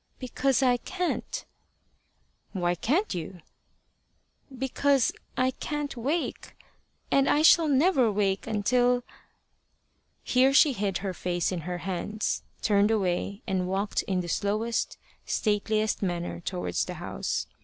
"Because I can't." "Why can't you?" "Because I can't wake. And I never shall wake until " Here she hid her face in her hands, turned away, and walked in the slowest, stateliest manner towards the house.